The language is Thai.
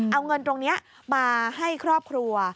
เอาเงินตรงนี้มาให้ครอบครัว